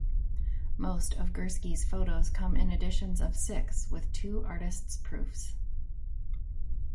Most of Gursky's photos come in editions of six with two artist's proofs.